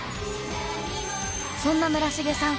そんな村重さん